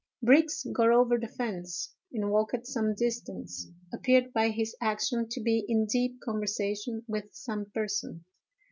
Brigs got over the fence, and walked some distance—appeared by his action to be in deep conversation with some person.